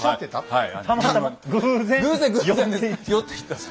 はい。